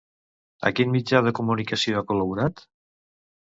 A quin mitjà de comunicació ha col·laborat?